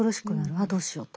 ああどうしようと。